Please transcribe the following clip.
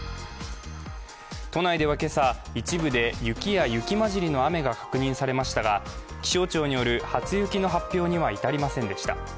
都内では今朝、一部で雪や雪交じりの雨が確認されましたが気象庁による初雪の発表には至りませんでした。